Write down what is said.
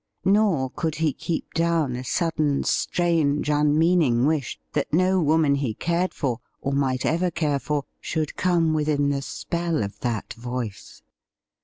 Nor could he keep down a sudden strange unmeaning wish that no woman he cared for, or might ever care for, should come within the spell of that voice.